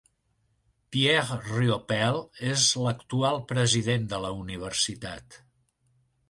Pierre Riopel és l'actual president de la universitat.